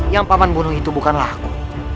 yang paman bunuh itu bukanlah aku